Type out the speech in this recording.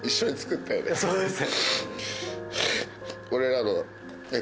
そうです。